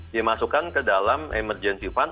dimasukkan ke dalam emergentifan